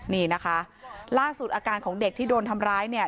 นี่นะคะล่าสุดอาการของเด็กที่โดนทำร้ายเนี่ย